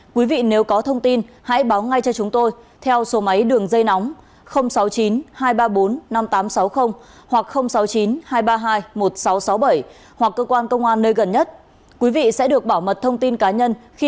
xin chào các bạn